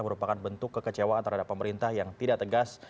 merupakan bentuk kekecewaan terhadap pemerintah yang tidak tegas